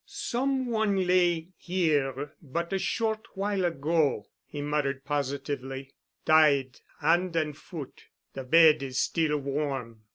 "Some one lay here but a short while ago," he muttered positively, "tied hand and foot. The bed is still warm."